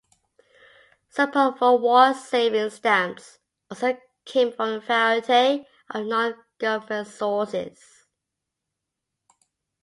Support for war savings stamps also came from a variety of non-government sources.